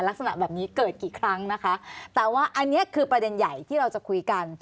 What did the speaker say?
ลักษณะแบบนี้เกิดกี่ครั้งนะคะแต่ว่าอันนี้คือประเด็นใหญ่ที่เราจะคุยกัน